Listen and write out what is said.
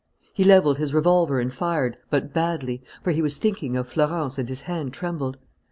He levelled his revolver and fired, but badly, for he was thinking of Florence and his hand trembled.